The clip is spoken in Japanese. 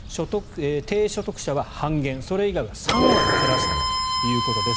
低所得者は半減それ以外は３割減らすということです。